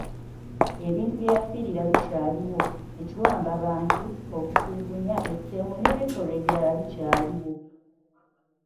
Ebintu bye yafiirira bikyaliwo; ekiwamba bantu, okutulugunya, ettemu n'ebikolwa ebirala bikyaliwo.